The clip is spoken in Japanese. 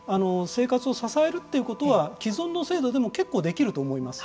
生活を支えるということは既存の制度でも結構できると思います。